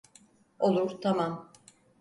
Olur, tamam.